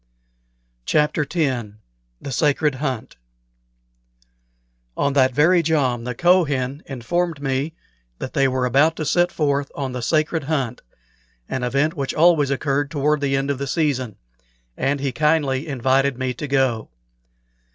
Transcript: CHAPTER X THE SACRED HUNT On that very jom the Kohen informed me that they were about to set forth on the "sacred hunt," an event which always occurred toward the end of the season, and he kindly invited me to go.